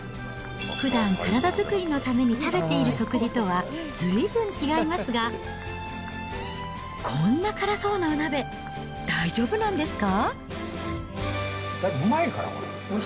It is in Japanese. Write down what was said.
ふだん、体作りのために食べている食事とはずいぶん違いますが、こんな辛そうなお鍋、大丈夫なんですか。